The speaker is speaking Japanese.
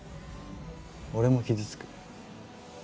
俺も傷つく。